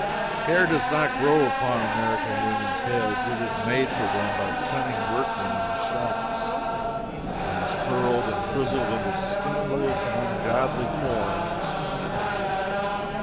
Hair does not grow upon the American women's heads; it is made for them by cunning workmen in the shops, and is curled and frizzled into scandalous and ungodly forms.